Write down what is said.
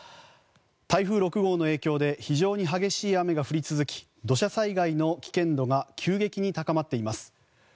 台風６号の影響で非常に激しい雨が降り続き土砂災害の危険度が急激に高まっています。